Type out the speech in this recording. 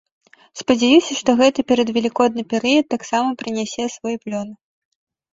Спадзяюся, што гэты перадвелікодны перыяд таксама прынясе свой плён.